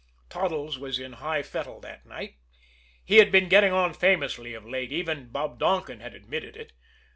Toddles was in high fettle that night. He had been getting on famously of late; even Bob Donkin had admitted it.